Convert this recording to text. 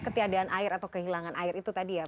ketiadaan air atau kehilangan air itu tadi ya